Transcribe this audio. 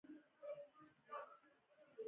تاسو پلان په راتلوونکي کې څه دی ؟